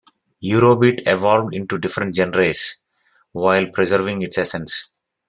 Eurobeat evolved into different genres, while preserving its essence.